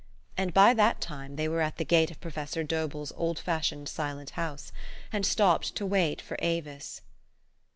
And by that time they were at the gate of Professor Dobell' s old fashioned silent house, and stopped to wait for Avis.